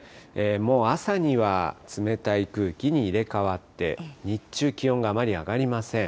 もう朝には冷たい空気に入れかわって、日中、気温があまり上がりません。